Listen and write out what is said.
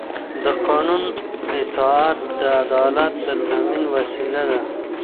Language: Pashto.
د قانون اطاعت د عدالت د تامین وسیله ده